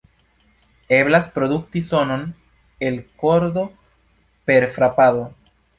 Eblas produkti sonon el kordo per frapado.